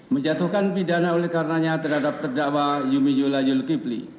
menjatuhkan pidana oleh karenanya terhadap terdakwa yumi yula yulkipli